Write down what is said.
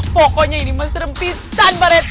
pokoknya ini mah serempisan pak rt